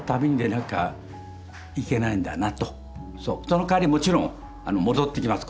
そのかわりもちろん戻ってきます